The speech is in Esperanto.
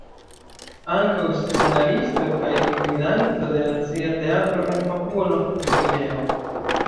Ankaŭ scenaristo kaj gvidanto de Nacia Teatro en Papuo-Nov-Gvineo.